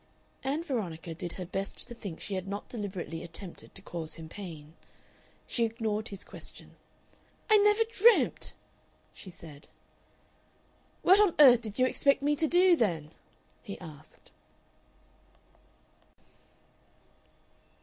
Ann Veronica did her best to think she had not deliberately attempted to cause him pain. She ignored his question. "I never dreamt!" she said. "What on earth did you expect me to do, then?" he asked.